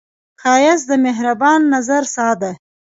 ښایست د مهربان نظر ساه ده